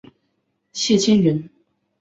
谢迁人。